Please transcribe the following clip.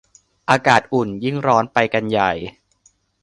อากาศอุ่น ยิ่งร้อนไปกันใหญ่